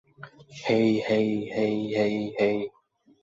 Hey, hey, hey, hey, hey.